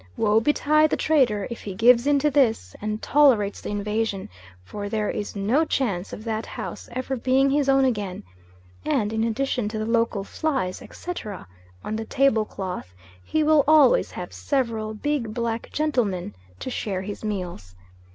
Woe betide the trader if he gives in to this, and tolerates the invasion, for there is no chance of that house ever being his own again; and in addition to the local flies, etc., on the table cloth, he will always have several big black gentlemen to share his meals.